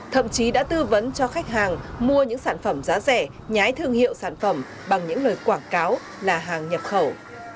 thậm chí đã tư vấn cho khách hàng mua những sản phẩm giá rẻ nhái thương hiệu sản phẩm bằng những lời quảng cáo là hàng nhập khẩu